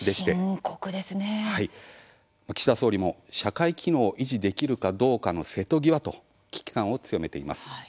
岸田総理も社会機能を維持できるかどうかの瀬戸際と危機感を強めています。